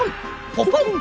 「ポポンッ」。